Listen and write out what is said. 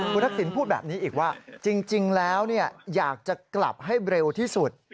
คุณทักษิณพูดแบบนี้อีกว่าจริงแล้วอยากจะกลับให้เร็วที่สุด